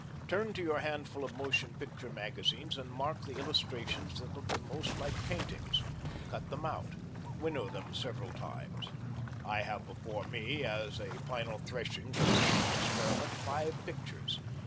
Turn to your handful of motion picture magazines and mark the illustrations that look the most like paintings. Cut them out. Winnow them several times. I have before me, as a final threshing from such an experiment, five pictures.